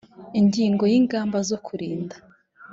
ingingo ya ingamba zo kurinda